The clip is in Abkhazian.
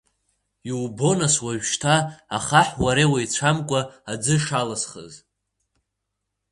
Иубо, нас уажәшьҭа, ахаҳә уара иуеицәамкәа аӡы шаласхыз?